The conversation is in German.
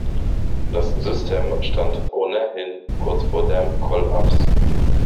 Das System stand ohnehin kurz vor dem Kollaps.